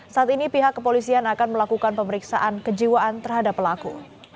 saat ini pihak kepolisian akan melakukan pemeriksaan kejiwaan terhadap pelaku